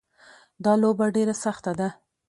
دا لوبه ډېره سخته ده